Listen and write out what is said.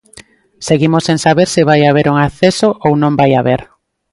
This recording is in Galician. Seguimos sen saber se vai haber un acceso ou non o vai haber.